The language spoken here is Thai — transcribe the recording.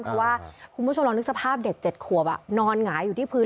เพราะว่าคุณผู้ชมลองนึกสภาพเด็ก๗ขวบนอนหงายอยู่ที่พื้น